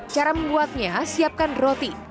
cara membuatnya siapkan roti